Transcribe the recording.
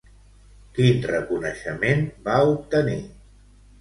Quin reconeixement va obtenir?